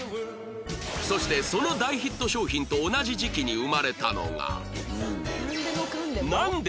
そしてその大ヒット商品と同じ時期に生まれたのが